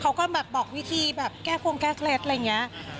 เขาก็แบบบอกวิธีแบบแก้คงแก้เคล็ดอะไรอย่างนี้